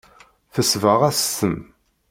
Tesbeɣ-as-ten.